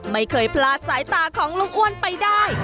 ไม่เคยพลาดสายตาของลุงอ้วนไปได้